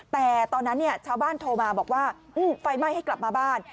แต่ตอนนั้นชาวบ้านโทรมาบอกว่าไฟไหม้ให้กลับมาบ้าน